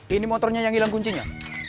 ini motornya yang hilang kuncinya